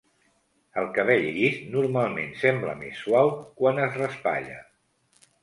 El cabell llis normalment sembla més suau quan es raspalla.